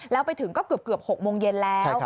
แล้วไปถึงก็เกือบ๖โมงเย็นแล้ว